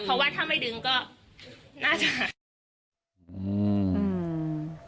เพราะว่าถ้าไม่ดึงก็น่าจะ